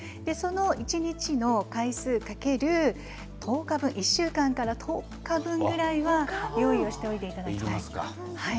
一日の回数×１０日分１週間から１０日分くらいは用意しておいてほしいんです。